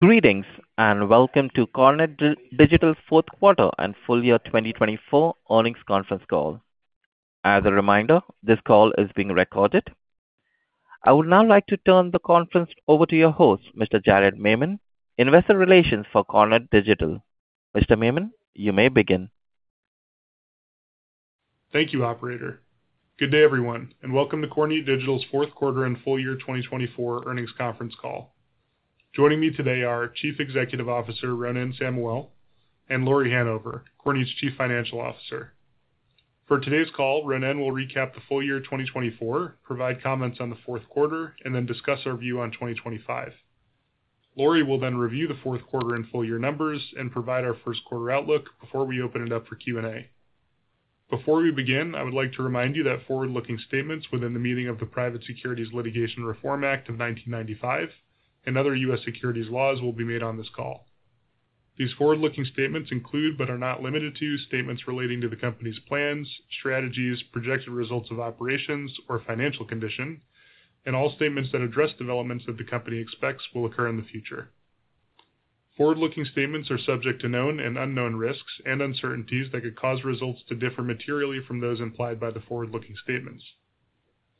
Greetings and welcome to Kornit Digital's fourth quarter and full year 2024 earnings conference call. As a reminder, this call is being recorded. I would now like to turn the conference over to your host, Mr. Jared Maymon, Investor Relations for Kornit Digital. Mr. Maymon, you may begin. Thank you, Operator. Good day, everyone, and welcome to Kornit Digital's fourth quarter and full year 2024 earnings conference call. Joining me today are Chief Executive Officer Ronen Samuel and Lauri Hanover, Kornit's Chief Financial Officer. For today's call, Ronen will recap the full year 2024, provide comments on the fourth quarter, and then discuss our view on 2025. Lauri will then review the fourth quarter and full year numbers and provide our first quarter outlook before we open it up for Q&A. Before we begin, I would like to remind you that forward-looking statements within the meaning of the Private Securities Litigation Reform Act of 1995 and other U.S. securities laws will be made on this call. These forward-looking statements include, but are not limited to, statements relating to the company's plans, strategies, projected results of operations, or financial condition, and all statements that address developments that the company expects will occur in the future. Forward-looking statements are subject to known and unknown risks and uncertainties that could cause results to differ materially from those implied by the forward-looking statements.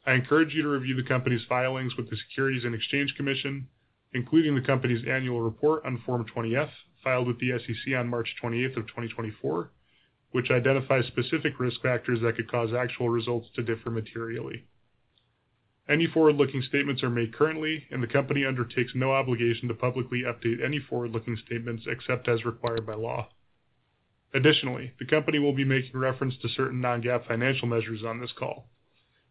I encourage you to review the company's filings with the Securities and Exchange Commission, including the company's annual report on Form 20-F filed with the SEC on March 28th of 2024, which identifies specific risk factors that could cause actual results to differ materially. Any forward-looking statements are made currently, and the company undertakes no obligation to publicly update any forward-looking statements except as required by law. Additionally, the company will be making reference to certain non-GAAP financial measures on this call.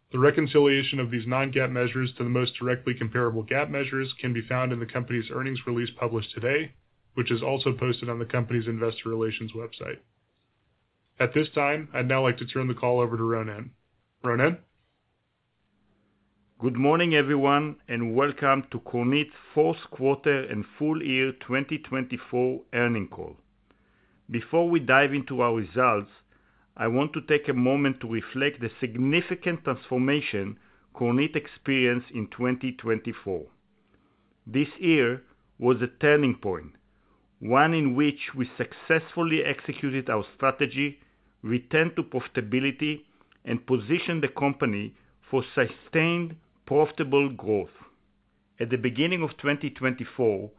The reconciliation of these non-GAAP measures to the most directly comparable GAAP measures can be found in the company's earnings release published today, which is also posted on the company's Investor Relations website. At this time, I'd now like to turn the call over to Ronen. Ronen? Good morning, everyone, and welcome to Kornit's fourth quarter and full year 2024 earnings call. Before we dive into our results, I want to take a moment to reflect on the significant transformation Kornit experienced in 2024. This year was a turning point, one in which we successfully executed our strategy, returned to profitability, and positioned the company for sustained profitable growth. At the beginning of 2024,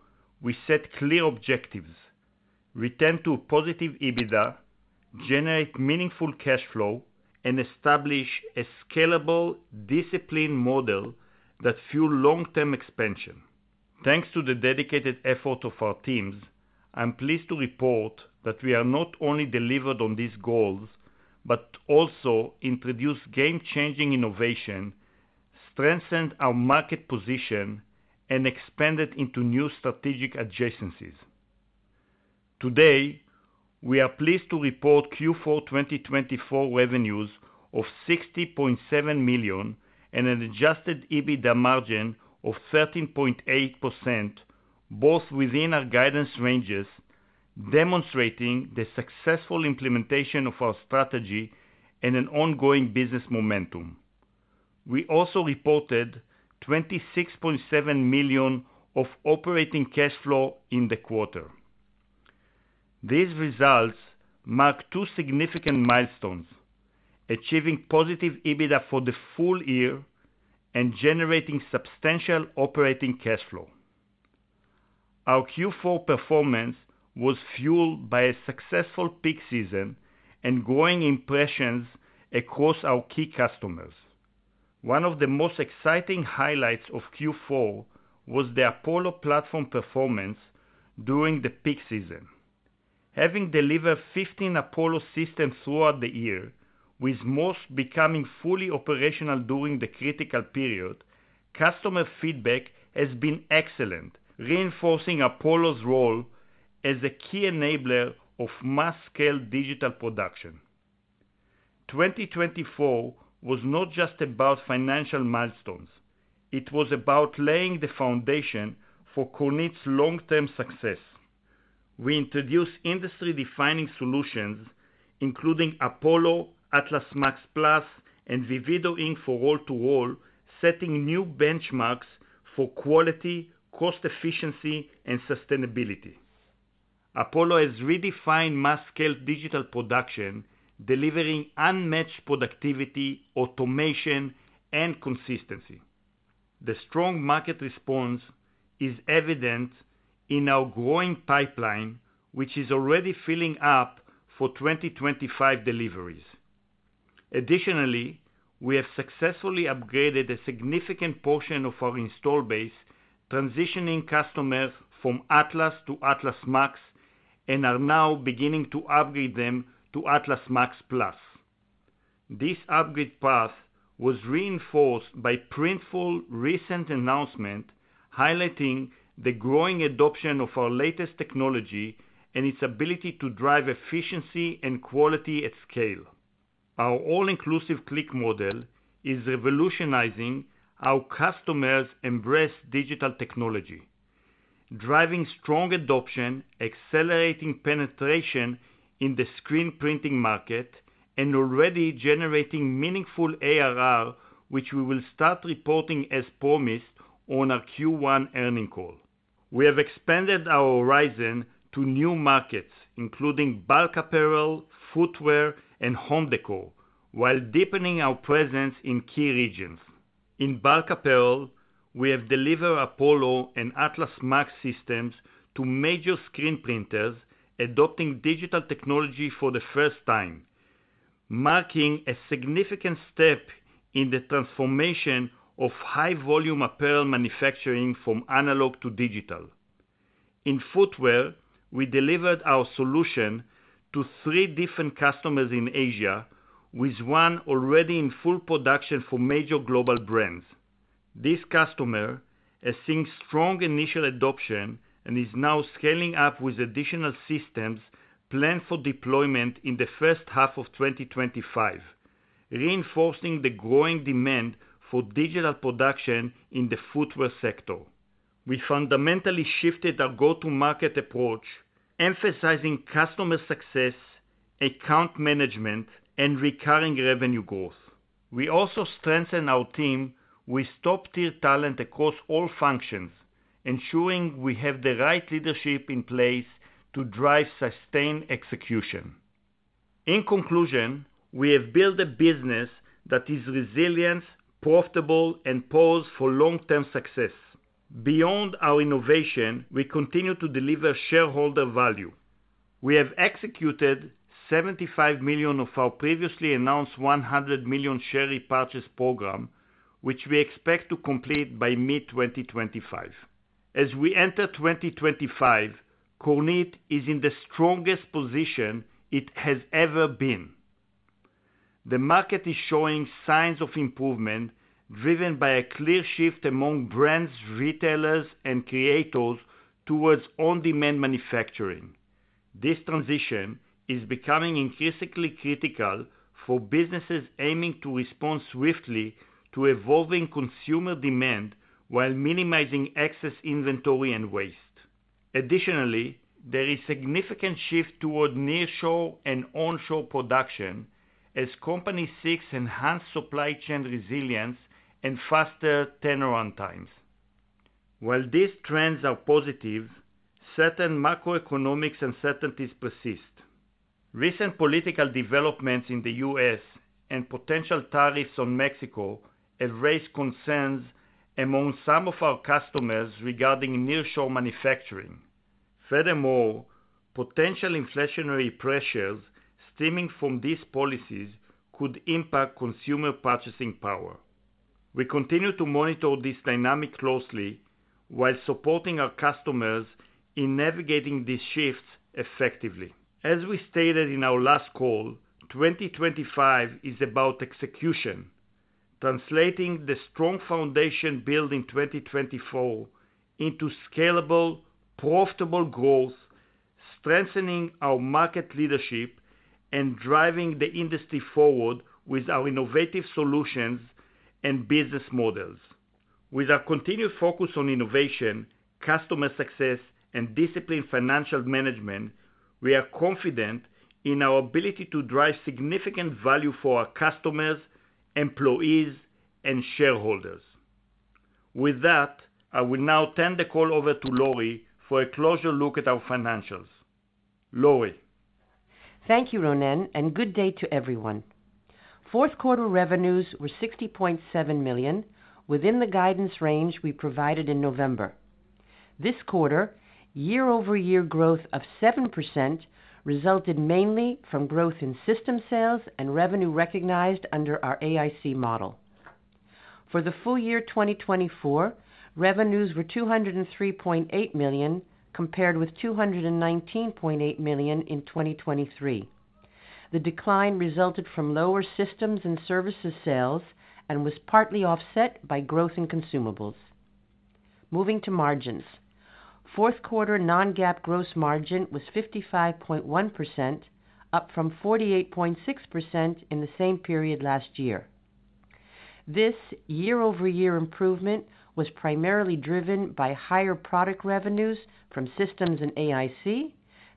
we set clear objectives: return to a positive EBITDA, generate meaningful cash flow, and establish a scalable discipline model that fueled long-term expansion. Thanks to the dedicated effort of our teams, I'm pleased to report that we have not only delivered on these goals but also introduced game-changing innovation, strengthened our market position, and expanded into new strategic adjacencies. Today, we are pleased to report Q4 2024 revenues of $60.7 million and an adjusted EBITDA margin of 13.8%, both within our guidance ranges, demonstrating the successful implementation of our strategy and an ongoing business momentum. We also reported $26.7 million of operating cash flow in the quarter. These results mark two significant milestones: achieving positive EBITDA for the full year and generating substantial operating cash flow. Our Q4 performance was fueled by a successful peak season and growing impressions across our key customers. One of the most exciting highlights of Q4 was the Apollo platform performance during the peak season. Having delivered 15 Apollo systems throughout the year, with most becoming fully operational during the critical period, customer feedback has been excellent, reinforcing Apollo's role as a key enabler of mass-scale digital production. 2024 was not just about financial milestones. It was about laying the foundation for Kornit's long-term success. We introduced industry-defining solutions, including Apollo, Atlas MAX PLUS, and Vivido for roll-to-roll, setting new benchmarks for quality, cost efficiency, and sustainability. Apollo has redefined mass-scale digital production, delivering unmatched productivity, automation, and consistency. The strong market response is evident in our growing pipeline, which is already filling up for 2025 deliveries. Additionally, we have successfully upgraded a significant portion of our install base, transitioning customers from Atlas to Atlas MAX, and are now beginning to upgrade them to Atlas MAX PLUS. This upgrade path was reinforced by Printful's recent announcement, highlighting the growing adoption of our latest technology and its ability to drive efficiency and quality at scale. Our all-inclusive click model is revolutionizing how customers embrace digital technology, driving strong adoption, accelerating penetration in the screen printing market, and already generating meaningful ARR, which we will start reporting as promised on our Q1 earnings call. We have expanded our horizon to new markets, including bulk apparel, footwear, and home decor, while deepening our presence in key regions. In bulk apparel, we have delivered Apollo and Atlas MAX systems to major screen printers, adopting digital technology for the first time, marking a significant step in the transformation of high-volume apparel manufacturing from analog to digital. In footwear, we delivered our solution to three different customers in Asia, with one already in full production for major global brands. This customer has seen strong initial adoption and is now scaling up with additional systems planned for deployment in the first half of 2025, reinforcing the growing demand for digital production in the footwear sector. We fundamentally shifted our go-to-market approach, emphasizing customer success, account management, and recurring revenue growth. We also strengthened our team with top-tier talent across all functions, ensuring we have the right leadership in place to drive sustained execution. In conclusion, we have built a business that is resilient, profitable, and poised for long-term success. Beyond our innovation, we continue to deliver shareholder value. We have executed $75 million of our previously announced $100 million share repurchase program, which we expect to complete by mid-2025. As we enter 2025, Kornit is in the strongest position it has ever been. The market is showing signs of improvement, driven by a clear shift among brands, retailers, and creators towards on-demand manufacturing. This transition is becoming intrinsically critical for businesses aiming to respond swiftly to evolving consumer demand while minimizing excess inventory and waste. Additionally, there is a significant shift toward nearshore and onshore production as companies seek enhanced supply chain resilience and faster turnaround times. While these trends are positive, certain macroeconomic uncertainties persist. Recent political developments in the U.S. and potential tariffs on Mexico have raised concerns among some of our customers regarding nearshore manufacturing. Furthermore, potential inflationary pressures stemming from these policies could impact consumer purchasing power. We continue to monitor this dynamic closely while supporting our customers in navigating these shifts effectively. As we stated in our last call, 2025 is about execution, translating the strong foundation built in 2024 into scalable, profitable growth, strengthening our market leadership, and driving the industry forward with our innovative solutions and business models. With our continued focus on innovation, customer success, and disciplined financial management, we are confident in our ability to drive significant value for our customers, employees, and shareholders. With that, I will now turn the call over to Lauri for a closer look at our financials. Lauri. Thank you, Ronen, and good day to everyone. Fourth quarter revenues were $60.7 million within the guidance range we provided in November. This quarter, year-over-year growth of 7% resulted mainly from growth in system sales and revenue recognized under our AIC model. For the full year 2024, revenues were $203.8 million compared with $219.8 million in 2023. The decline resulted from lower systems and services sales and was partly offset by growth in consumables. Moving to margins, fourth quarter non-GAAP gross margin was 55.1%, up from 48.6% in the same period last year. This year-over-year improvement was primarily driven by higher product revenues from systems and AIC,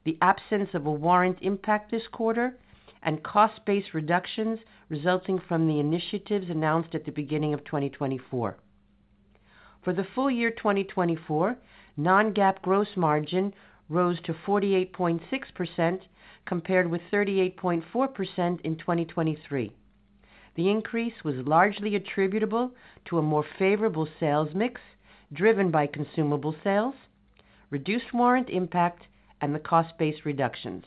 the absence of a warrant impact this quarter, and cost base reductions resulting from the initiatives announced at the beginning of 2024. For the full year 2024, non-GAAP gross margin rose to 48.6% compared with 38.4% in 2023. The increase was largely attributable to a more favorable sales mix driven by consumable sales, reduced warrant impact, and the cost base reductions.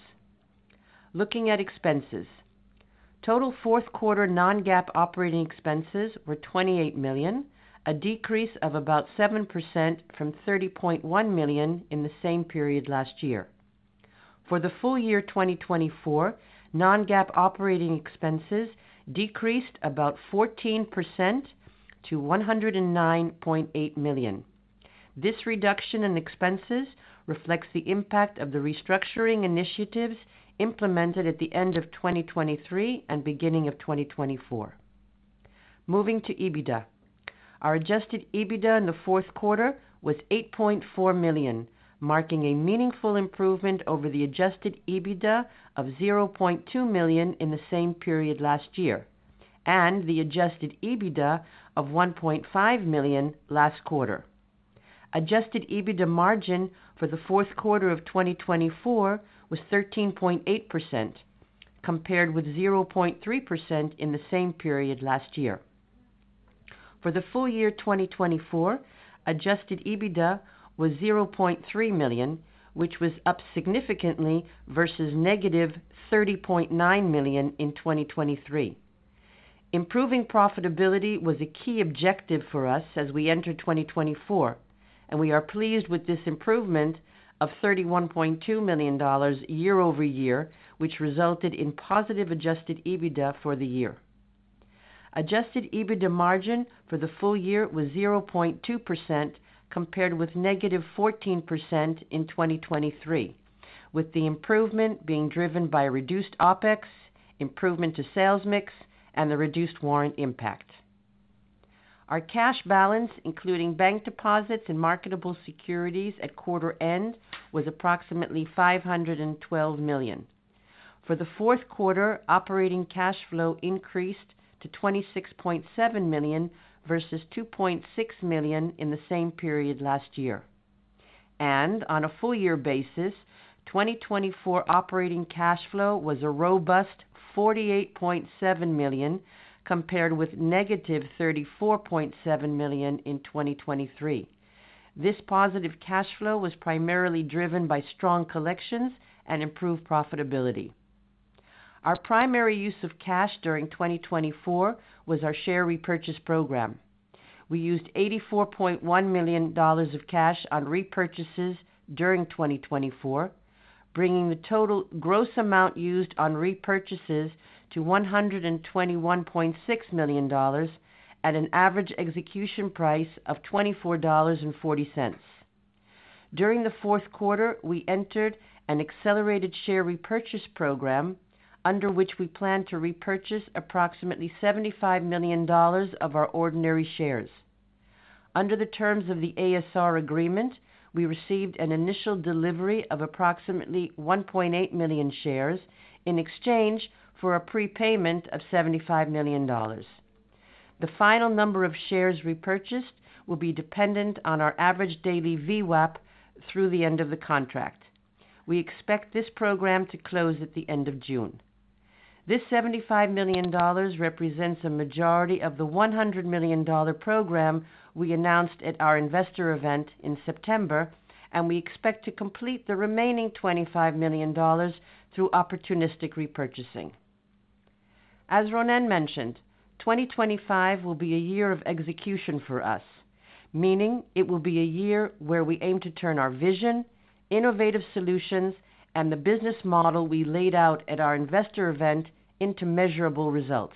Looking at expenses, total fourth quarter non-GAAP operating expenses were $28 million, a decrease of about 7% from $30.1 million in the same period last year. For the full year 2024, non-GAAP operating expenses decreased about 14% to $109.8 million. This reduction in expenses reflects the impact of the restructuring initiatives implemented at the end of 2023 and beginning of 2024. Moving to EBITDA, our Adjusted EBITDA in the fourth quarter was $8.4 million, marking a meaningful improvement over the Adjusted EBITDA of $0.2 million in the same period last year and the Adjusted EBITDA of $1.5 million last quarter. Adjusted EBITDA margin for the fourth quarter of 2024 was 13.8%, compared with 0.3% in the same period last year. For the full year 2024, Adjusted EBITDA was $0.3 million, which was up significantly versus negative $30.9 million in 2023. Improving profitability was a key objective for us as we entered 2024, and we are pleased with this improvement of $31.2 million year-over-year, which resulted in positive Adjusted EBITDA for the year. Adjusted EBITDA margin for the full year was 0.2%, compared with negative 14% in 2023, with the improvement being driven by reduced OpEx, improvement to sales mix, and the reduced warrant impact. Our cash balance, including bank deposits and marketable securities at quarter end, was approximately $512 million. For the fourth quarter, operating cash flow increased to $26.7 million versus $2.6 million in the same period last year, and on a full year basis, 2024 operating cash flow was a robust $48.7 million, compared with negative $34.7 million in 2023. This positive cash flow was primarily driven by strong collections and improved profitability. Our primary use of cash during 2024 was our share repurchase program. We used $84.1 million of cash on repurchases during 2024, bringing the total gross amount used on repurchases to $121.6 million at an average execution price of $24.40. During the fourth quarter, we entered an accelerated share repurchase program, under which we plan to repurchase approximately $75 million of our ordinary shares. Under the terms of the ASR agreement, we received an initial delivery of approximately 1.8 million shares in exchange for a prepayment of $75 million. The final number of shares repurchased will be dependent on our average daily VWAP through the end of the contract. We expect this program to close at the end of June. This $75 million represents a majority of the $100 million program we announced at our investor event in September, and we expect to complete the remaining $25 million through opportunistic repurchasing. As Ronen mentioned, 2025 will be a year of execution for us, meaning it will be a year where we aim to turn our vision, innovative solutions, and the business model we laid out at our investor event into measurable results.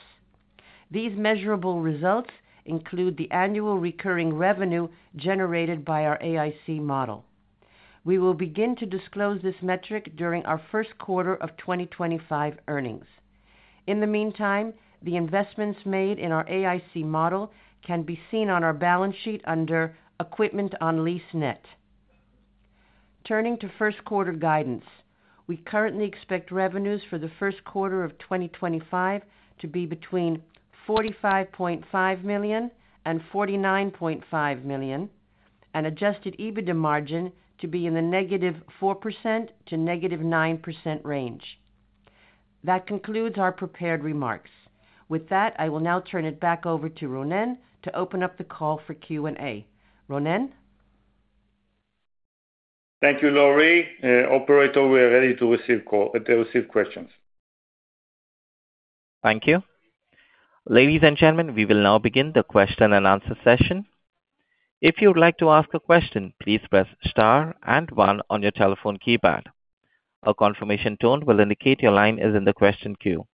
These measurable results include the annual recurring revenue generated by our AIC model. We will begin to disclose this metric during our first quarter of 2025 earnings. In the meantime, the investments made in our AIC model can be seen on our balance sheet under equipment on lease net. Turning to first quarter guidance, we currently expect revenues for the first quarter of 2025 to be between $45.5 million and $49.5 million, and Adjusted EBITDA margin to be in the negative 4% to negative 9% range. That concludes our prepared remarks. With that, I will now turn it back over to Ronen to open up the call for Q&A. Ronen? Thank you, Lauri. Operator, we are ready to receive questions. Thank you. Ladies and gentlemen, we will now begin the question and answer session. If you would like to ask a question, please press star and one on your telephone keypad. A confirmation tone will indicate your line is in the question queue.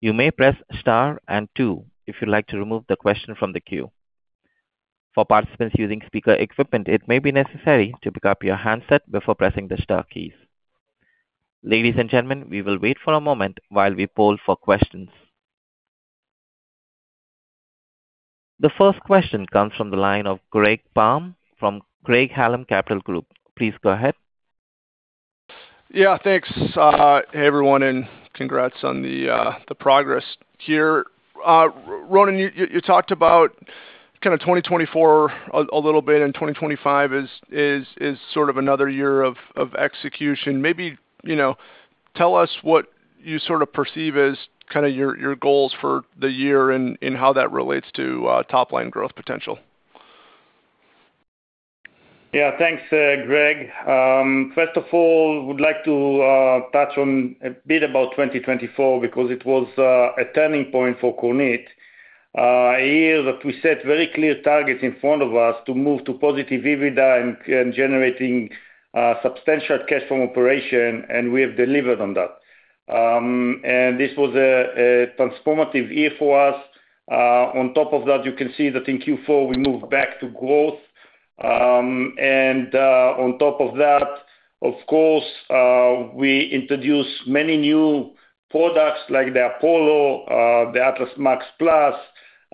You may press star and two if you'd like to remove the question from the queue. For participants using speaker equipment, it may be necessary to pick up your handset before pressing the star keys. Ladies and gentlemen, we will wait for a moment while we poll for questions. The first question comes from the line of Greg Palm from Craig-Hallum Capital Group. Please go ahead. Yeah, thanks. Hey, everyone, and congrats on the progress here. Ronen, you talked about kind of 2024 a little bit, and 2025 is sort of another year of execution. Maybe tell us what you sort of perceive as kind of your goals for the year and how that relates to top-line growth potential. Yeah, thanks, Greg. First of all, we'd like to touch on a bit about 2024 because it was a turning point for Kornit. A year that we set very clear targets in front of us to move to positive EBITDA and generating substantial cash flow operation, and we have delivered on that. This was a transformative year for us. On top of that, you can see that in Q4, we moved back to growth. On top of that, of course, we introduced many new products like the Apollo, the Atlas MAX PLUS,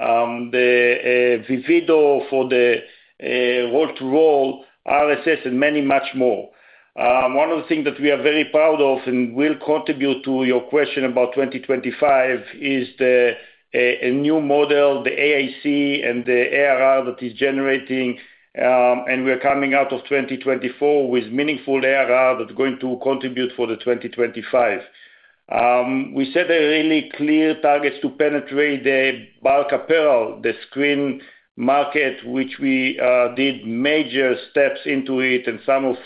the Vivido for the roll-to-roll, RSS, and many more. One of the things that we are very proud of and will contribute to your question about 2025 is a new model, the AIC and the ARR that is generating, and we are coming out of 2024 with meaningful ARR that's going to contribute for the 2025. We set a really clear target to penetrate the bulk apparel, the screen market, which we did major steps into it, and some of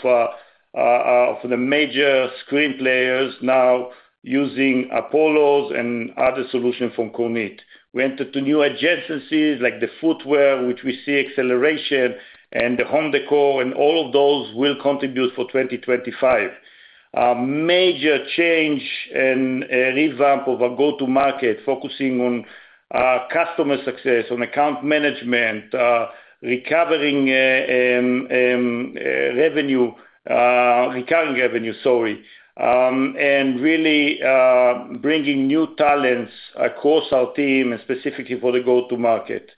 the major screen players now using Apollos and other solutions from Kornit. We entered new adjacencies like the footwear, which we see acceleration, and the home decor, and all of those will contribute for 2025. Major change and revamp of our go-to-market, focusing on customer success, on account management, recovering revenue, recurring revenue, sorry, and really bringing new talents across our team and specifically for the go-to-market.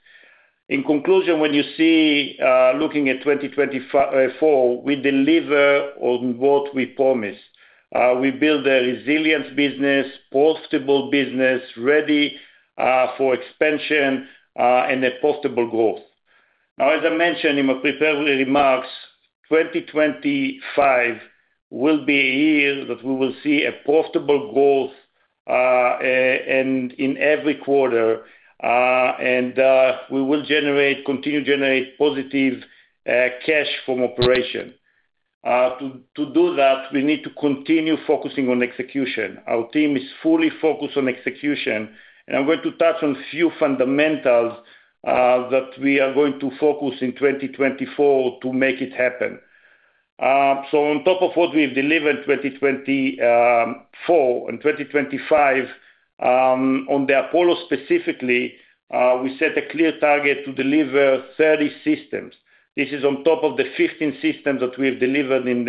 In conclusion, when you look at 2024, we deliver on what we promised. We build a resilient business, profitable business, ready for expansion and a profitable growth. Now, as I mentioned in my prepared remarks, 2025 will be a year that we will see a profitable growth in every quarter, and we will continue to generate positive cash from operations. To do that, we need to continue focusing on execution. Our team is fully focused on execution, and I'm going to touch on a few fundamentals that we are going to focus on in 2024 to make it happen. On top of what we've delivered in 2024 and 2025, on the Apollo specifically, we set a clear target to deliver 30 systems. This is on top of the 15 systems that we have delivered in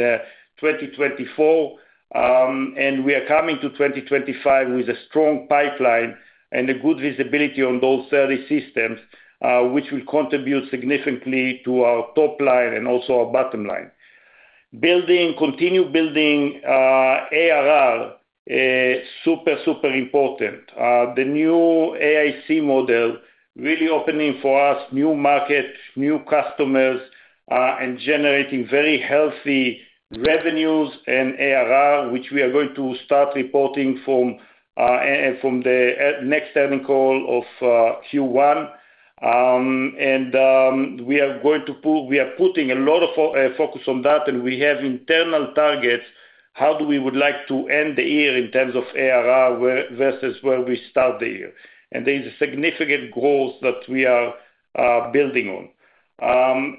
2024, and we are coming to 2025 with a strong pipeline and a good visibility on those 30 systems, which will contribute significantly to our top line and also our bottom line. Building, continue building ARR, super, super important. The new AIC model really opening for us new market, new customers, and generating very healthy revenues and ARR, which we are going to start reporting from the next earnings call of Q1, and we are going to, we are putting a lot of focus on that, and we have internal targets how do we would like to end the year in terms of ARR versus where we start the year, and there is a significant growth that we are building on.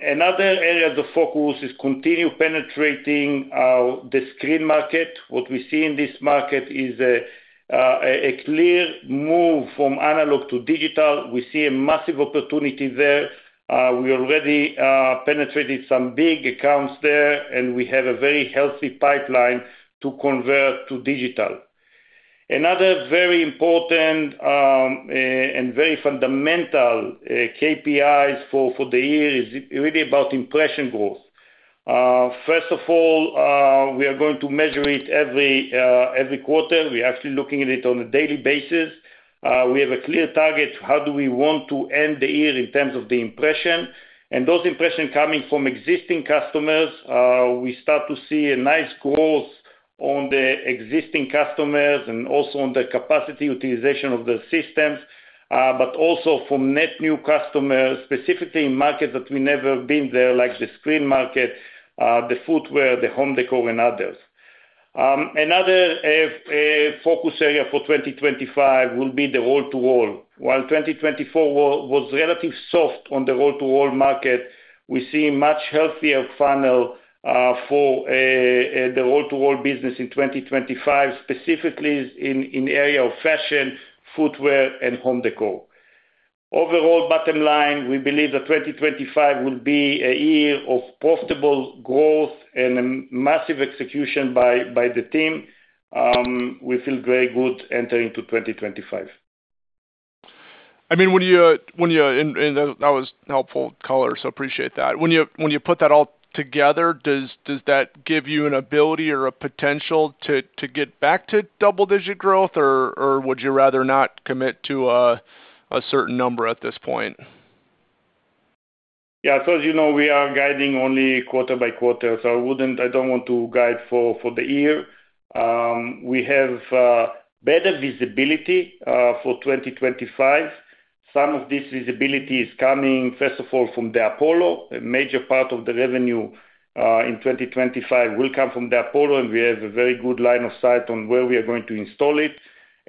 Another area of focus is continue penetrating the screen market. What we see in this market is a clear move from analog to digital. We see a massive opportunity there. We already penetrated some big accounts there, and we have a very healthy pipeline to convert to digital. Another very important and very fundamental KPIs for the year is really about impression growth. First of all, we are going to measure it every quarter. We are actually looking at it on a daily basis. We have a clear target how do we want to end the year in terms of the impression. And those impressions coming from existing customers, we start to see a nice growth on the existing customers and also on the capacity utilization of the systems, but also from net new customers, specifically in markets that we never been there like the screen market, the footwear, the home decor, and others. Another focus area for 2025 will be the roll-to-roll. While 2024 was relatively soft on the roll-to-roll market, we see a much healthier funnel for the roll-to-roll business in 2025, specifically in the area of fashion, footwear, and home decor. Overall bottom line, we believe that 2025 will be a year of profitable growth and a massive execution by the team. We feel very good entering into 2025. I mean, when you, and that was helpful color, so appreciate that. When you put that all together, does that give you an ability or a potential to get back to double-digit growth, or would you rather not commit to a certain number at this point? Yeah, so as you know, we are guiding only quarter by quarter, so I wouldn't, I don't want to guide for the year. We have better visibility for 2025. Some of this visibility is coming, first of all, from the Apollo. A major part of the revenue in 2025 will come from the Apollo, and we have a very good line of sight on where we are going to install it.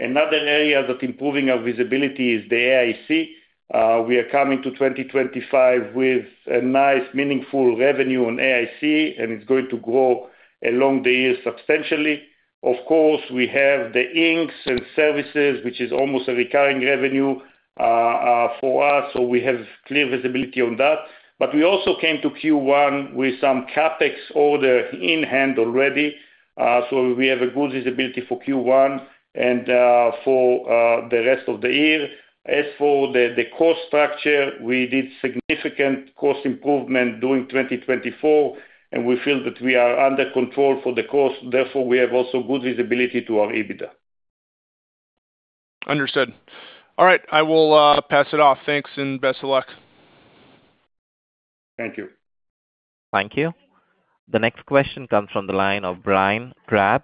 Another area that's improving our visibility is the AIC. We are coming to 2025 with a nice, meaningful revenue on AIC, and it's going to grow along the year substantially. Of course, we have the inks and services, which is almost a recurring revenue for us, so we have clear visibility on that. But we also came to Q1 with some CapEx order in hand already, so we have a good visibility for Q1 and for the rest of the year. As for the cost structure, we did significant cost improvement during 2024, and we feel that we are under control for the cost. Therefore, we have also good visibility to our EBITDA. Understood. All right, I will pass it off. Thanks and best of luck. Thank you. Thank you. The next question comes from the line of Brian Drab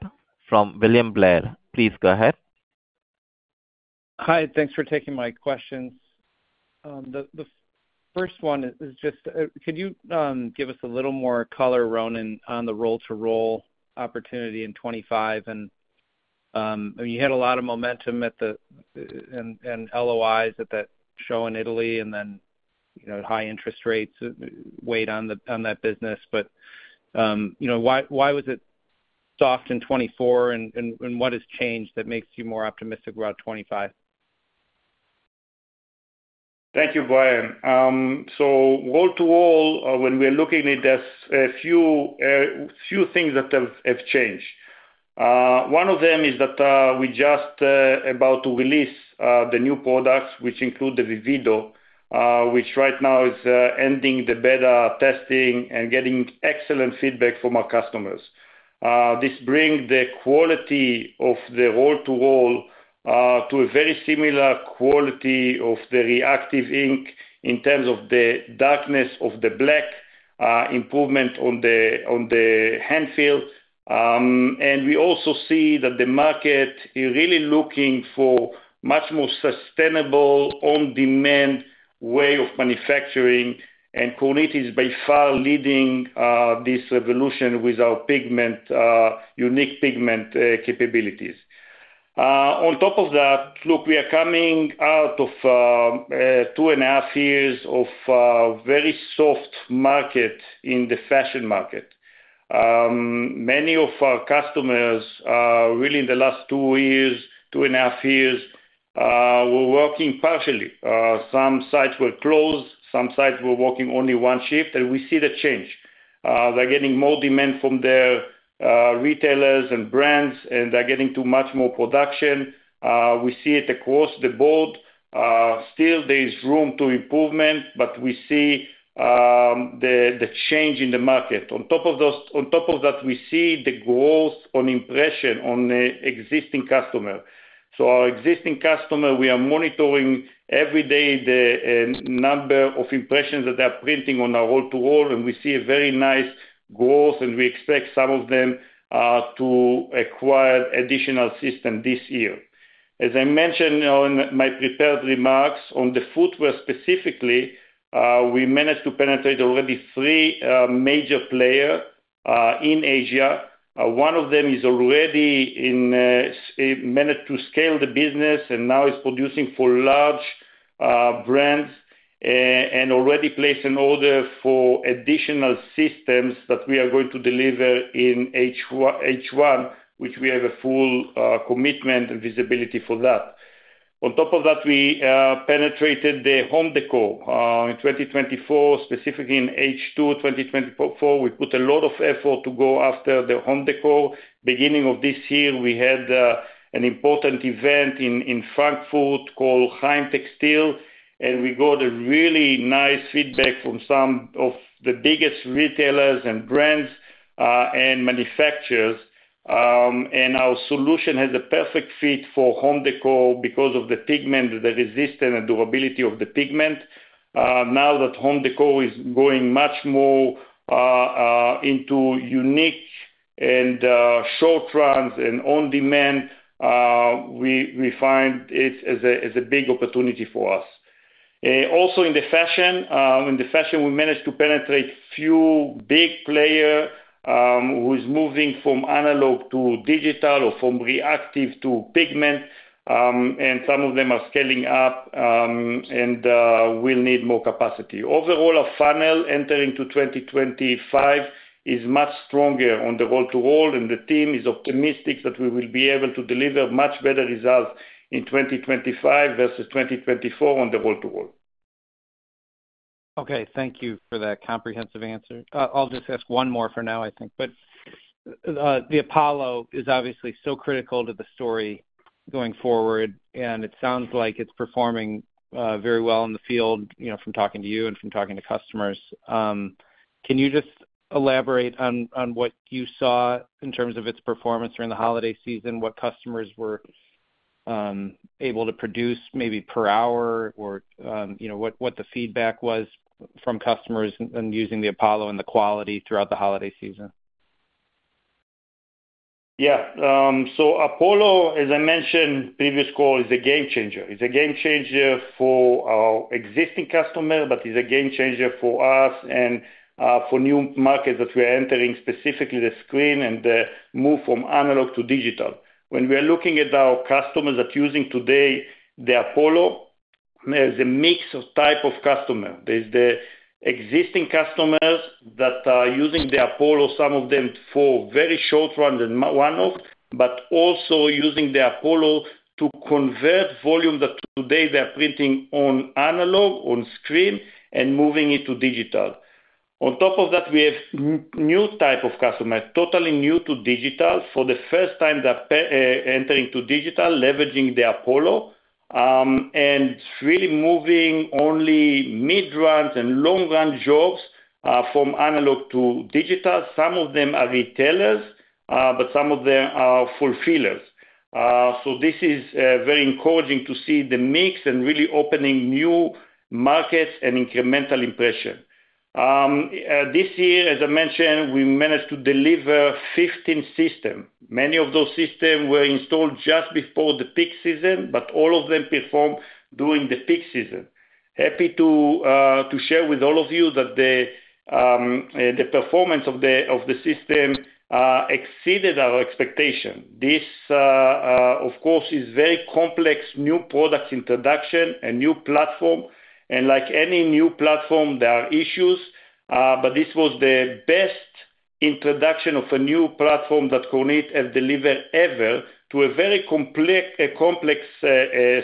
from William Blair. Please go ahead. Hi, thanks for taking my questions. The first one is just, could you give us a little more color, Ronen, on the roll-to-roll opportunity in 2025? And you had a lot of momentum and LOIs at that show in Italy, and then high interest rates weighed on that business. But why was it soft in 2024, and what has changed that makes you more optimistic about 2025? Thank you, Brian. So roll-to-roll, when we are looking at this, a few things that have changed. One of them is that we're just about to release the new products, which include the Vivido, which right now is ending the beta testing and getting excellent feedback from our customers. This brings the quality of the roll-to-roll to a very similar quality of the reactive ink in terms of the darkness of the black improvement on the handfeel. And we also see that the market is really looking for much more sustainable, on-demand way of manufacturing, and Kornit is by far leading this revolution with our pigment, unique pigment capabilities. On top of that, look, we are coming out of two and a half years of a very soft market in the fashion market. Many of our customers, really in the last two years, two and a half years, were working partially. Some sites were closed, some sites were working only one shift, and we see the change. They're getting more demand from their retailers and brands, and they're getting to much more production. We see it across the board. Still, there is room to improvement, but we see the change in the market. On top of that, we see the growth on impression on the existing customer, so our existing customer, we are monitoring every day the number of impressions that they are printing on our roll-to-roll, and we see a very nice growth, and we expect some of them to acquire additional systems this year. As I mentioned in my prepared remarks, on the footwear specifically, we managed to penetrate already three major players in Asia. One of them is already managed to scale the business and now is producing for large brands and already placed an order for additional systems that we are going to deliver in H1, which we have a full commitment and visibility for that. On top of that, we penetrated the home decor. In 2024, specifically in H2 2024, we put a lot of effort to go after the home decor. Beginning of this year, we had an important event in Frankfurt called Heimtextil, and we got really nice feedback from some of the biggest retailers and brands and manufacturers, and our solution has a perfect fit for home decor because of the pigment, the resistance, and durability of the pigment. Now that home decor is going much more into unique and short runs and on-demand, we find it as a big opportunity for us. Also, in the fashion, we managed to penetrate a few big players who are moving from analog to digital or from reactive to pigment, and some of them are scaling up and will need more capacity. Overall, our funnel entering into 2025 is much stronger on the roll-to-roll, and the team is optimistic that we will be able to deliver much better results in 2025 versus 2024 on the roll-to-roll. Okay, thank you for that comprehensive answer. I'll just ask one more for now, I think. But the Apollo is obviously so critical to the story going forward, and it sounds like it's performing very well in the field from talking to you and from talking to customers. Can you just elaborate on what you saw in terms of its performance during the holiday season, what customers were able to produce maybe per hour, or what the feedback was from customers and using the Apollo and the quality throughout the holiday season? Yeah. So Apollo, as I mentioned in the previous call, is a game changer. It's a game changer for our existing customers, but it's a game changer for us and for new markets that we are entering, specifically the screen and the move from analog to digital. When we are looking at our customers that are using today the Apollo, there's a mix of types of customers. There's the existing customers that are using the Apollo, some of them for very short runs and one-off, but also using the Apollo to convert volume that today they are printing on analog, on screen, and moving it to digital. On top of that, we have a new type of customer, totally new to digital. For the first time, they are entering to digital, leveraging the Apollo and really moving only mid-run and long-run jobs from analog to digital. Some of them are retailers, but some of them are fulfillers. So this is very encouraging to see the mix and really opening new markets and incremental impression. This year, as I mentioned, we managed to deliver 15 systems. Many of those systems were installed just before the peak season, but all of them performed during the peak season. Happy to share with all of you that the performance of the system exceeded our expectation. This, of course, is a very complex new product introduction, a new platform, and like any new platform, there are issues, but this was the best introduction of a new platform that Kornit has delivered ever to a very complex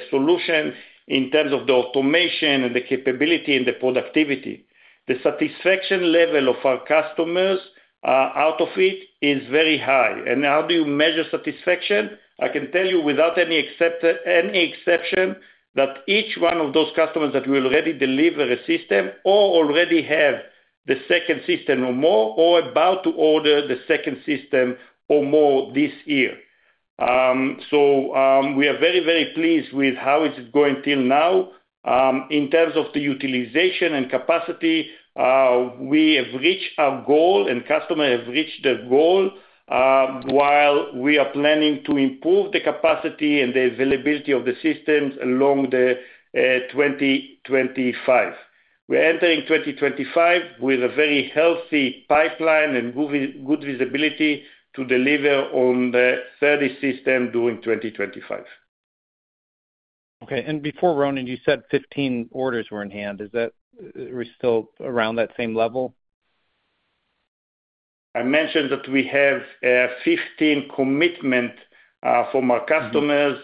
solution in terms of the automation and the capability and the productivity. The satisfaction level of our customers out of it is very high. And how do you measure satisfaction? I can tell you without any exception that each one of those customers that will already deliver a system or already have the second system or more or about to order the second system or more this year, so we are very, very pleased with how it's going till now. In terms of the utilization and capacity, we have reached our goal, and customers have reached their goal, while we are planning to improve the capacity and the availability of the systems along the 2025. We're entering 2025 with a very healthy pipeline and good visibility to deliver on the third system during 2025. Okay. And before, Ronen, you said 15 orders were in hand. Is that still around that same level? I mentioned that we have 15 commitments from our customers.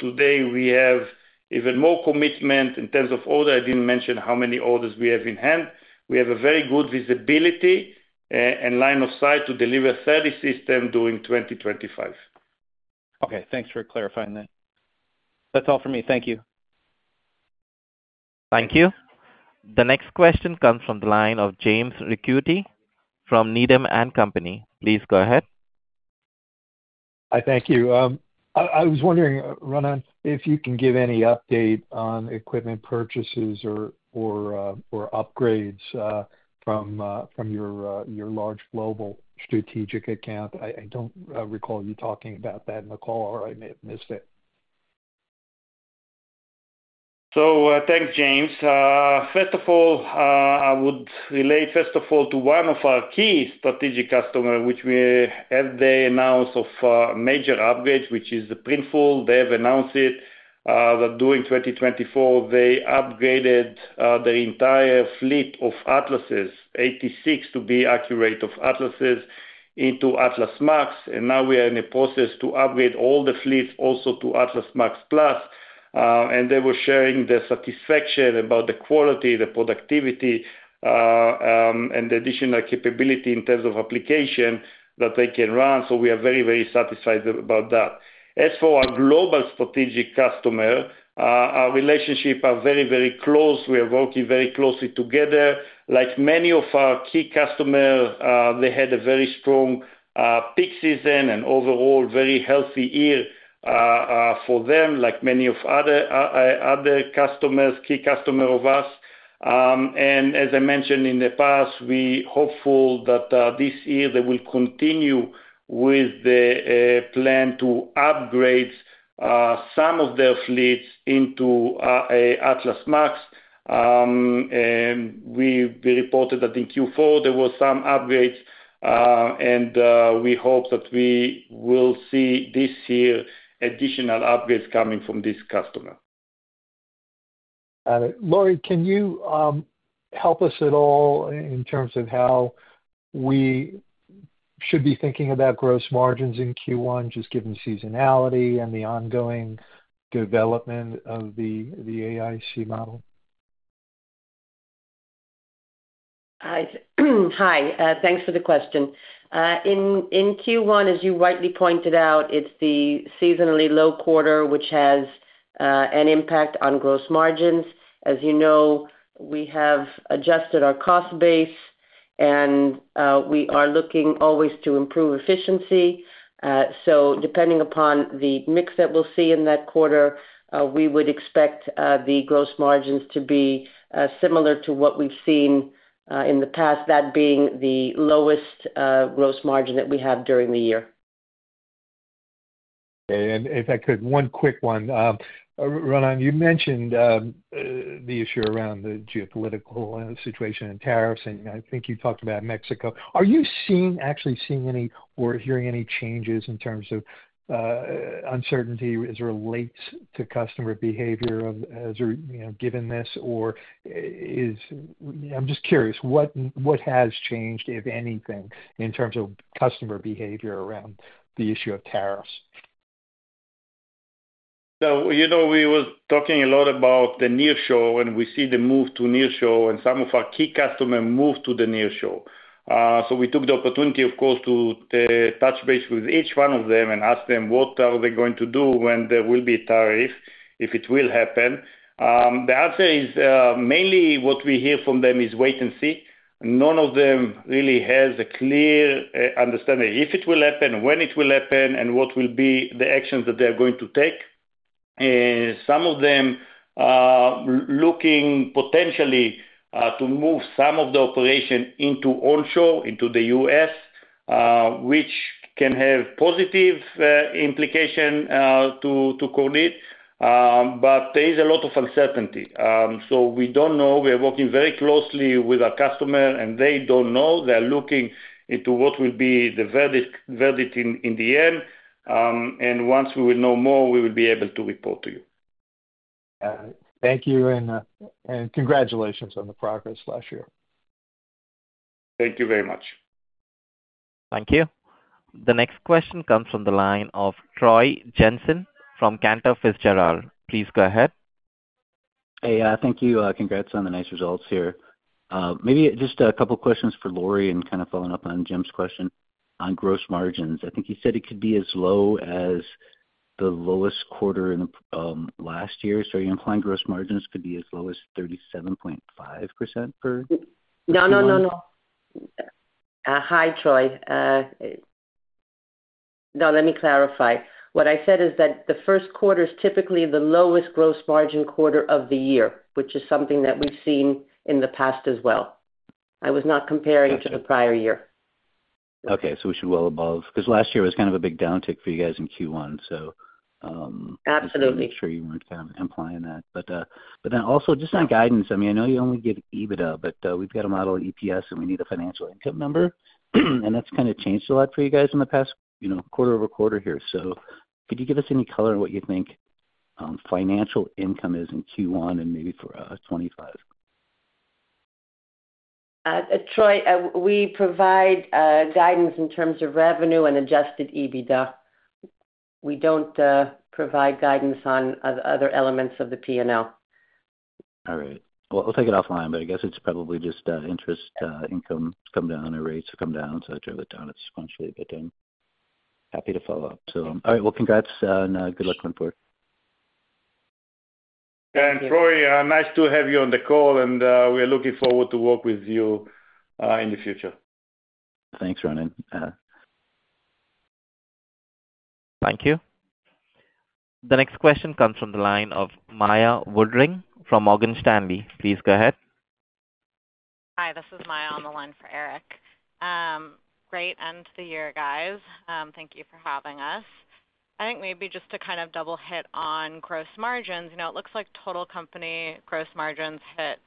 Today, we have even more commitment in terms of order. I didn't mention how many orders we have in hand. We have a very good visibility and line of sight to deliver 30 systems during 2025. Okay. Thanks for clarifying that. That's all for me. Thank you. Thank you. The next question comes from the line of James Ricchiuti from Needham & Company. Please go ahead. I thank you. I was wondering, Ronen, if you can give any update on equipment purchases or upgrades from your large global strategic account. I don't recall you talking about that in the call, or I may have missed it. Thanks, James. First of all, I would relate first of all to one of our key strategic customers, which we have announced major upgrades, which is Printful. They have announced it that during 2024, they upgraded their entire fleet of Atlases, 86 to be accurate of Atlases, into Atlas MAX. And now we are in the process to upgrade all the fleets also to Atlas MAX PLUS. And they were sharing their satisfaction about the quality, the productivity, and the additional capability in terms of application that they can run. So we are very, very satisfied about that. As for our global strategic customer, our relationship is very, very close. We are working very closely together. Like many of our key customers, they had a very strong peak season and overall very healthy year for them, like many of other key customers of ours. As I mentioned in the past, we are hopeful that this year they will continue with the plan to upgrade some of their fleets into Atlas MAX. We reported that in Q4, there were some upgrades, and we hope that we will see this year additional upgrades coming from this customer. Got it. Lauri, can you help us at all in terms of how we should be thinking about gross margins in Q1, just given seasonality and the ongoing development of the AIC model? Hi. Thanks for the question. In Q1, as you rightly pointed out, it's the seasonally low quarter, which has an impact on gross margins. As you know, we have adjusted our cost base, and we are looking always to improve efficiency. So depending upon the mix that we'll see in that quarter, we would expect the gross margins to be similar to what we've seen in the past, that being the lowest gross margin that we have during the year. Okay. And if I could, one quick one. Ronen, you mentioned the issue around the geopolitical situation and tariffs, and I think you talked about Mexico. Are you actually seeing any or hearing any changes in terms of uncertainty as it relates to customer behavior given this? Or I'm just curious, what has changed, if anything, in terms of customer behavior around the issue of tariffs? So we were talking a lot about the nearshore, and we see the move to nearshore, and some of our key customers moved to the nearshore. So we took the opportunity, of course, to touch base with each one of them and ask them what are they going to do when there will be a tariff, if it will happen. The answer is mainly what we hear from them is wait and see. None of them really has a clear understanding if it will happen, when it will happen, and what will be the actions that they are going to take. Some of them are looking potentially to move some of the operations into onshore, into the U.S., which can have positive implications to Kornit, but there is a lot of uncertainty. So we don't know. We are working very closely with our customers, and they don't know. They are looking into what will be the verdict in the end, and once we will know more, we will be able to report to you. Got it. Thank you, and congratulations on the progress last year. Thank you very much. Thank you. The next question comes from the line of Troy Jensen from Cantor Fitzgerald. Please go ahead. Hey, thank you. Congrats on the nice results here. Maybe just a couple of questions for Lauri and kind of following up on Jim's question on gross margins. I think you said it could be as low as the lowest quarter last year. So you're implying gross margins could be as low as 37.5% per? No, no, no, no. Hi, Troy. No, let me clarify. What I said is that the first quarter is typically the lowest gross margin quarter of the year, which is something that we've seen in the past as well. I was not comparing to the prior year. Okay. So we should well above because last year was kind of a big downtick for you guys in Q1, so. Absolutely. I wanted to make sure you weren't kind of implying that. But then also just on guidance, I mean, I know you only give EBITDA, but we've got a model of EPS, and we need a financial income number. And that's kind of changed a lot for you guys in the past quarter over quarter here. So could you give us any color on what you think financial income is in Q1 and maybe for 2025? Troy, we provide guidance in terms of revenue and Adjusted EBITDA. We don't provide guidance on other elements of the P&L. All right, well, we'll take it offline, but I guess it's probably just interest income come down or rates come down, so I drew it down at sequentially, but I'm happy to follow up. So all right, well, congrats and good luck going forward. Troy, nice to have you on the call, and we are looking forward to working with you in the future. Thanks, Ronen. Thank you. The next question comes from the line of Maya Woodring from Morgan Stanley. Please go ahead. Hi, this is Maya on the line for Erik. Great end to the year, guys. Thank you for having us. I think maybe just to kind of double-hit on gross margins, it looks like total company gross margins hit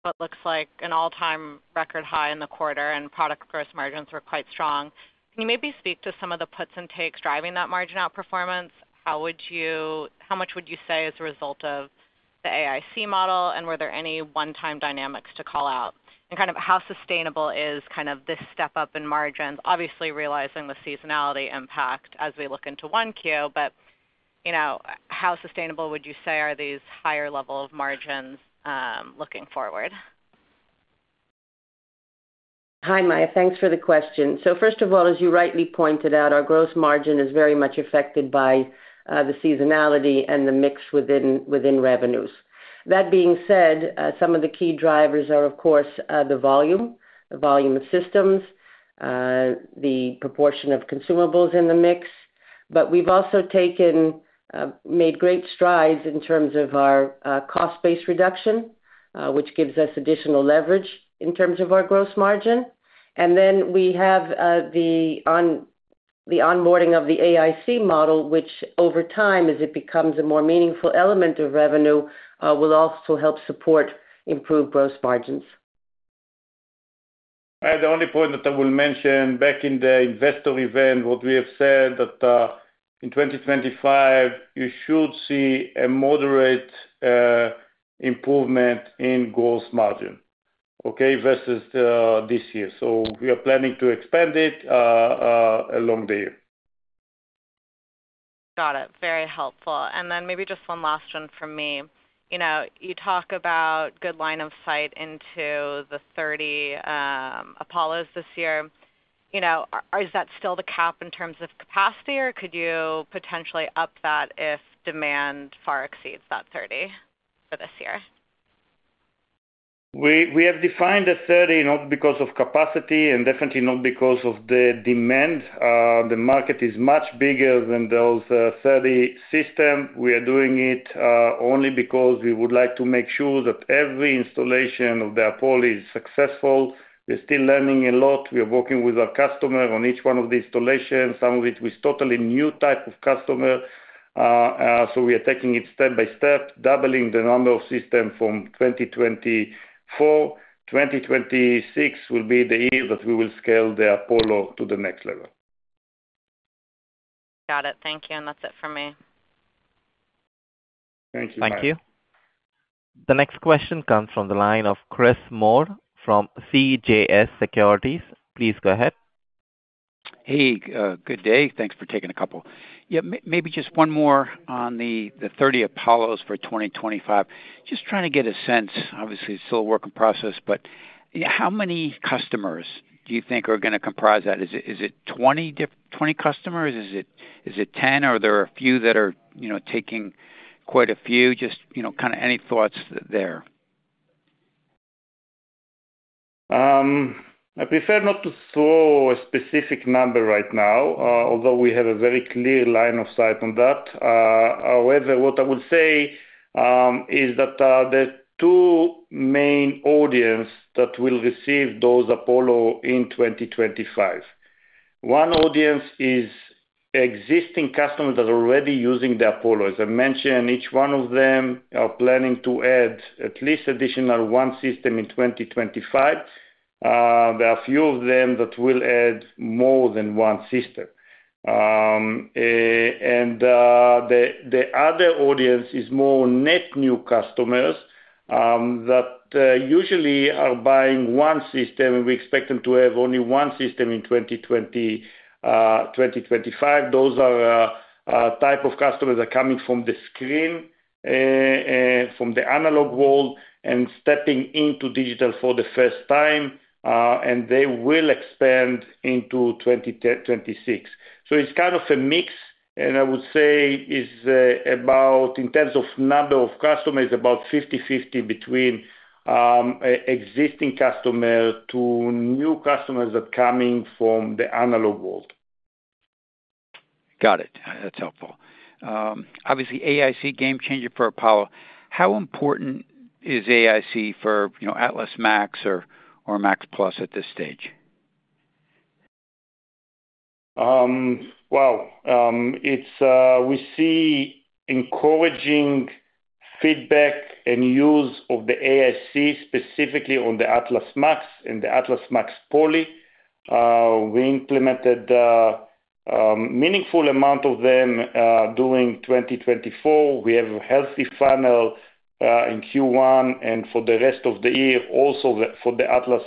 what looks like an all-time record high in the quarter, and product gross margins were quite strong. Can you maybe speak to some of the puts and takes driving that margin outperformance? How much would you say is a result of the AIC model, and were there any one-time dynamics to call out? And kind of how sustainable is kind of this step up in margins, obviously realizing the seasonality impact as we look into one Q, but how sustainable would you say are these higher level of margins looking forward? Hi, Maya. Thanks for the question. So first of all, as you rightly pointed out, our gross margin is very much affected by the seasonality and the mix within revenues. That being said, some of the key drivers are, of course, the volume, the volume of systems, the proportion of consumables in the mix. But we've also made great strides in terms of our cost-based reduction, which gives us additional leverage in terms of our gross margin. And then we have the onboarding of the AIC model, which over time, as it becomes a more meaningful element of revenue, will also help support improved gross margins. I had the only point that I will mention back in the investor event. What we have said that in 2025, you should see a moderate improvement in gross margin, okay, versus this year. So we are planning to expand it along the year. Got it. Very helpful. And then maybe just one last one from me. You talk about good line of sight into the 30 Apollos this year. Is that still the cap in terms of capacity, or could you potentially up that if demand far exceeds that 30 for this year? We have defined the 30 not because of capacity and definitely not because of the demand. The market is much bigger than those 30 systems. We are doing it only because we would like to make sure that every installation of the Apollo is successful. We're still learning a lot. We are working with our customer on each one of the installations. Some of it was totally new type of customer, so we are taking it step by step, doubling the number of systems from 2024, 2026 will be the year that we will scale the Apollo to the next level. Got it. Thank you, and that's it for me. Thank you. Thank you. The next question comes from the line of Chris Moore from CJS Securities. Please go ahead. Hey, good day. Thanks for taking a couple. Yeah, maybe just one more on the 30 Apollos for 2025. Just trying to get a sense. Obviously, it's still a work in process, but how many customers do you think are going to comprise that? Is it 20 customers? Is it 10? Are there a few that are taking quite a few? Just kind of any thoughts there? I prefer not to throw a specific number right now, although we have a very clear line of sight on that. However, what I would say is that there are two main audiences that will receive those Apollo in 2025. One audience is existing customers that are already using the Apollo. As I mentioned, each one of them is planning to add at least additional one system in 2025. There are a few of them that will add more than one system. And the other audience is more net new customers that usually are buying one system, and we expect them to have only one system in 2025. Those are the type of customers that are coming from the screen, from the analog world, and stepping into digital for the first time, and they will expand into 2026. So it's kind of a mix, and I would say in terms of number of customers, about 50/50 between existing customers to new customers that are coming from the analog world. Got it. That's helpful. Obviously, AIC game changer for Apollo. How important is AIC for Atlas MAX or MAX PLUS at this stage? We see encouraging feedback and use of the AIC specifically on the Atlas MAX and the Atlas MAX Poly. We implemented a meaningful amount of them during 2024. We have a healthy funnel in Q1 and for the rest of the year, also for the Atlas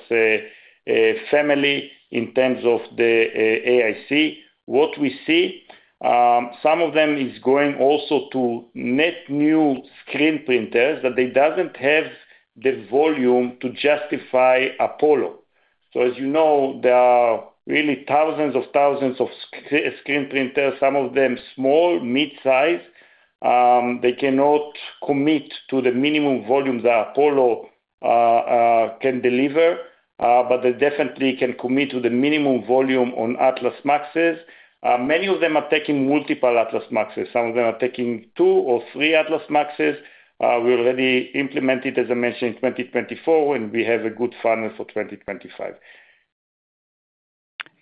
family in terms of the AIC. What we see, some of them are going also to net new screen printers that they don't have the volume to justify Apollo. So as you know, there are really thousands of thousands of screen printers, some of them small, mid-size. They cannot commit to the minimum volume that Apollo can deliver, but they definitely can commit to the minimum volume on Atlas MAXes. Many of them are taking multiple Atlas MAXes. Some of them are taking two or three Atlas MAXes. We already implemented, as I mentioned, in 2024, and we have a good funnel for 2025.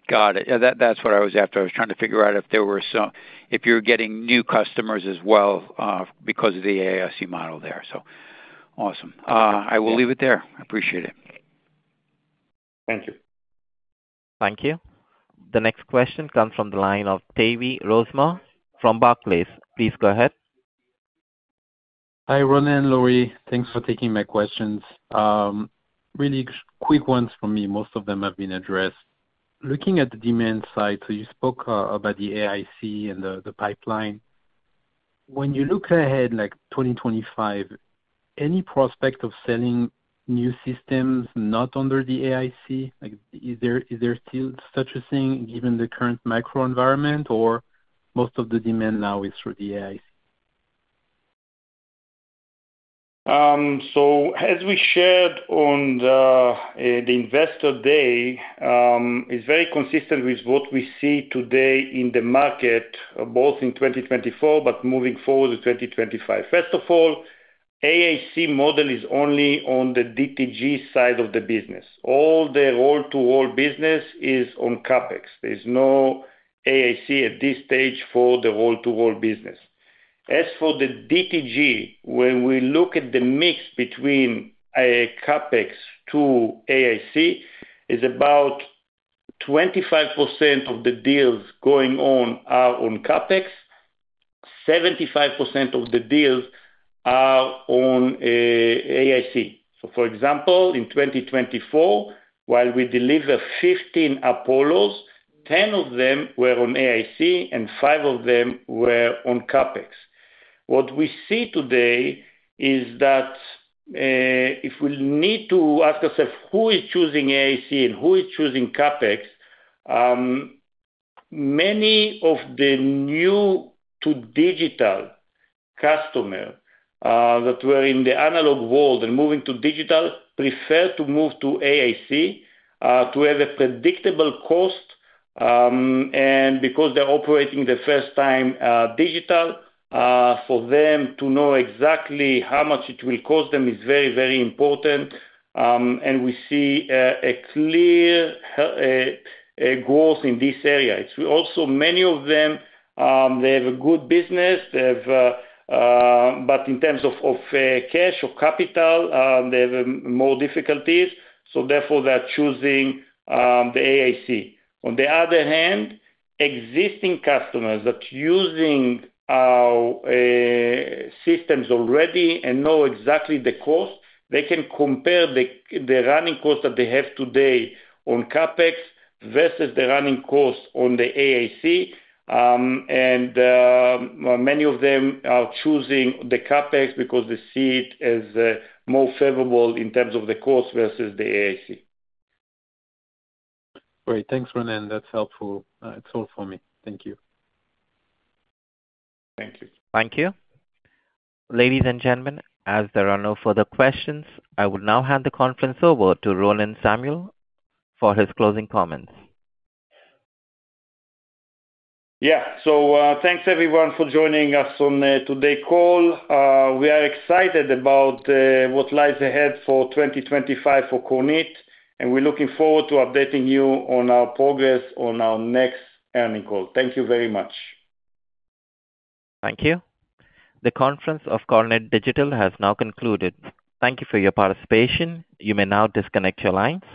Got it. Yeah, that's what I was after. I was trying to figure out if there were some, if you're getting new customers as well because of the AIC model there. So awesome. I will leave it there. I appreciate it. Thank you. Thank you. The next question comes from the line of Tavy Rosner from Barclays. Please go ahead. Hi, Ronen and Lauri. Thanks for taking my questions. Really quick ones for me. Most of them have been addressed. Looking at the demand side, so you spoke about the AIC and the pipeline. When you look ahead like 2025, any prospect of selling new systems not under the AIC? Is there still such a thing given the current macro-environment, or most of the demand now is through the AIC? As we shared on the investor day, it's very consistent with what we see today in the market, both in 2024 but moving forward to 2025. First of all, the AIC model is only on the DTG side of the business. All the roll-to-roll business is on CapEx. There is no AIC at this stage for the roll-to-roll business. As for the DTG, when we look at the mix between CapEx to AIC, it's about 25% of the deals going on are on CapEx. 75% of the deals are on AIC. So for example, in 2024, while we delivered 15 Apollos, 10 of them were on AIC and 5 of them were on CapEx. What we see today is that if we need to ask ourselves who is choosing AIC and who is choosing CapEx, many of the new-to-digital customers that were in the analog world and moving to digital prefer to move to AIC to have a predictable cost, and because they're operating the first time digital, for them to know exactly how much it will cost them is very, very important, and we see a clear growth in this area. Also, many of them, they have a good business, but in terms of cash or capital, they have more difficulties, so therefore, they're choosing the AIC. On the other hand, existing customers that are using our systems already and know exactly the cost, they can compare the running cost that they have today on CapEx versus the running cost on the AIC. Many of them are choosing the CapEx because they see it as more favorable in terms of the cost versus the AIC. Great. Thanks, Ronen. That's helpful. It's all for me. Thank you. Thank you. Thank you. Ladies and gentlemen, as there are no further questions, I will now hand the conference over to Ronen Samuel for his closing comments. Yeah. So thanks, everyone, for joining us on today's call. We are excited about what lies ahead for 2025 for Kornit, and we're looking forward to updating you on our progress on our next earnings call. Thank you very much. Thank you. The conference of Kornit Digital has now concluded. Thank you for your participation. You may now disconnect your lines.